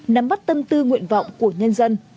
nắm mắt tâm tư nguyện vọng của nhân dân